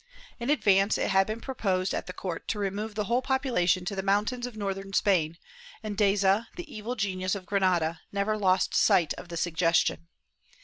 In advance, it had been proposed at the court to remove the whole population to the mountains of Northern Spain, and Deza, the evil genius of Granada, never lost sight of the suggestion.